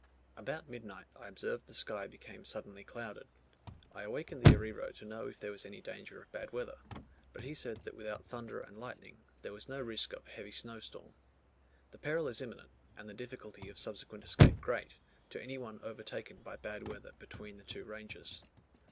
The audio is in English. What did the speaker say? About midnight I observed the sky became suddenly clouded: I awakened the arriero to know if there was any danger of bad weather; but he said that without thunder and lightning there was no risk of a heavy snow storm. The peril is imminent, and the difficulty of subsequent escape great, to any one overtaken by bad weather between the two ranges.